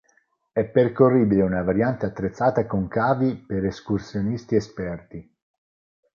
È percorribile una variante attrezzata con cavi per escursionisti esperti.